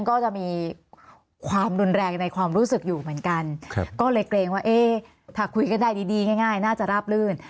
ก็จะมีความรุนแรงในความรู้สึกอยู่เหมือนกันก็เลยเกรงว่าเอ๊ะถ้าคุยกันได้ดีง่ายน่าจะราบลื่น